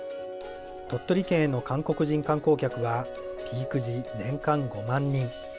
鳥取県への韓国人観光客は、ピーク時、年間５万人。